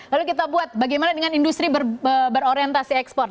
lalu kita buat bagaimana dengan industri berorientasi ekspor